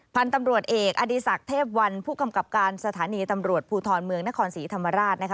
พันธุ์ตำรวจเอกอดีศักดิ์เทพวันผู้กำกับการสถานีตำรวจภูทรเมืองนครศรีธรรมราชนะคะ